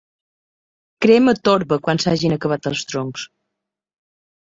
Crema torba quan s'hagin acabat els troncs.